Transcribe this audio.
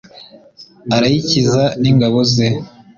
arayikikiza n'ingabo ze